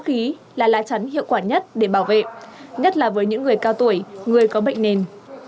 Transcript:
khí là lá chắn hiệu quả nhất để bảo vệ nhất là với những người cao tuổi người có bệnh nền